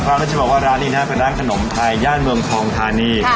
แล้วจะบอกว่าร้านนี้นะเป็นร้านขนมไทยย่านเมืองทองทานี